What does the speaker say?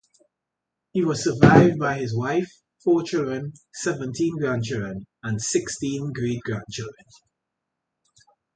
He was survived by his wife, four children, seventeen grandchildren and sixteen great-grandchildren.